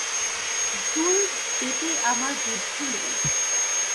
দূর বেটিা আমার বুদ্ধি নেই।